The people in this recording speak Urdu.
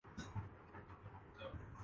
تم ناپندیدہ چیز ہے